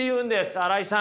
新井さん。